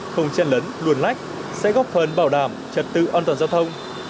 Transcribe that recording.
không chen lấn luồn lách sẽ góp phần bảo đảm trật tự an toàn giao thông